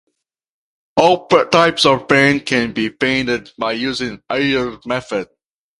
All types of paint can be painted by using airless method.